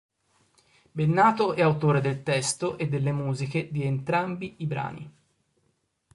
Bennato è autore del testo e delle musiche di entrambi i brani.